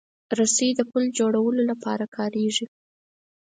رسۍ د پُل جوړولو لپاره کارېږي.